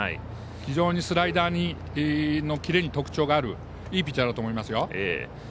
非常にスライダーのキレに特徴があるいいピッチャーだと思いますよ。